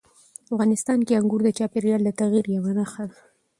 افغانستان کې انګور د چاپېریال د تغیر یوه نښه ده.